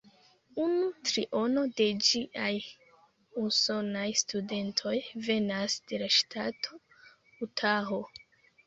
Unu triono de ĝiaj usonaj studentoj venas de la ŝtato Utaho.